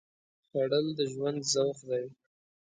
خوړل د ژوند ذوق دی